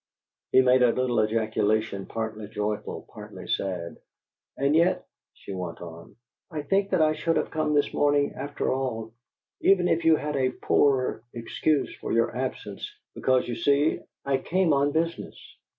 He made a little ejaculation, partly joyful, partly sad. "And yet," she went on, "I think that I should have come this morning, after all, even if you had a poorer excuse for your absence, because, you see, I came on business."